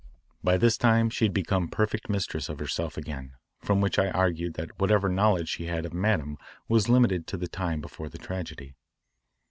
By this time she had become perfect mistress of herself again, from which I argued that whatever knowledge she had of Madame was limited to the time before the tragedy.